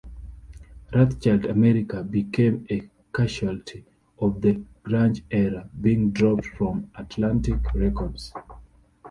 Wrathchild America became a casualty of the grunge-era, being dropped from Atlantic Records.